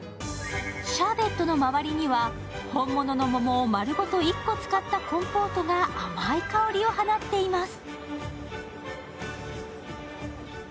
シャーベットの回りには本物の桃を丸ごと１個使ったコンポートが甘い香りを放っています。